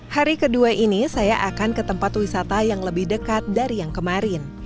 hari kedua ini saya akan ke tempat wisata yang lebih dekat dari yang kemarin